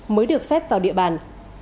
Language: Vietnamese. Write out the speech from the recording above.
mới được phép vào địa bàn